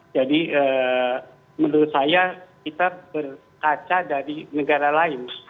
jadi menurut saya kita berkaca dari negara lain